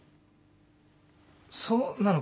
そうなのか。